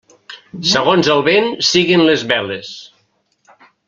Segons el vent siguen les veles.